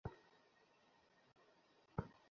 Max ও কি জানে?